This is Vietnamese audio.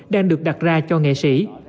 đang được đặt ra cho nghệ sĩ